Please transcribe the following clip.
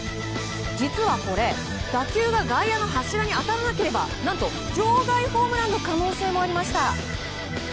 実はこれ、打球が外野の柱に当たらなければ何と場外ホームランの可能性もありました。